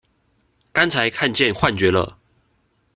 剛才看見幻覺了！